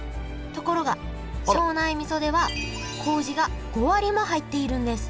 ところが庄内みそではこうじが５割も入っているんです